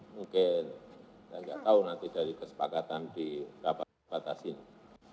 mungkin saya enggak tahu nanti dari kesepakatan di kabupaten batas ini